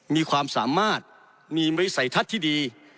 มีความสามารถมีวิสัยทัศน์ที่ดี